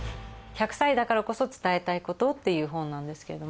『１００歳だからこそ、伝えたいこと』って本なんです。